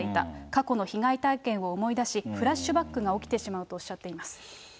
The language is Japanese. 過去の被害体験を思い出し、フラッシュバックが起きてしまうとおっしゃっています。